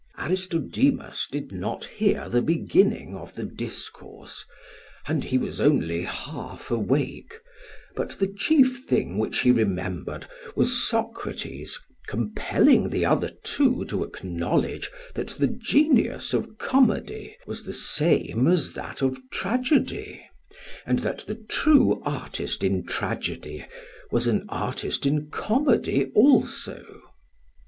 Aristodemus did not hear the beginning of the discourse, and he was only half awake, but the chief thing which he remembered was Socrates compelling the other two to acknowledge that the genius of comedy was the same as that of tragedy, and that the true artist in tragedy was an artist in comedy also.